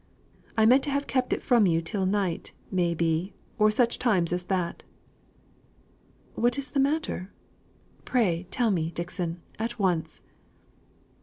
I meant to have kept it from you till night, may be, or such times as that." "What is the matter? Pray, tell me, Dixon, at once."